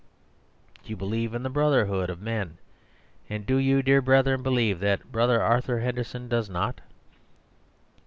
Do you believe in the brotherhood of men: and do you, dear brethren, believe that Brother Arthur Henderson does not?